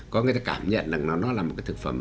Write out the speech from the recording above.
có người ta cảm nhận là nó là một cái thực phẩm ngon